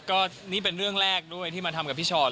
ก็นี่เป็นเรื่องแรกด้วยที่มาทำกับพี่ชอต